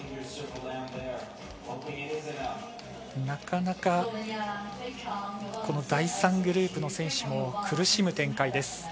なかなか、この第３グループの選手も苦しむ展開です。